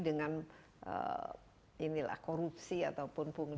dengan korupsi ataupun punggung